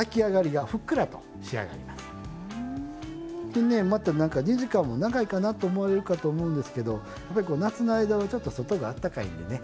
でねまた何か２時間も長いかなと思われるかと思うんですけどやっぱり夏の間はちょっと外があったかいんでね。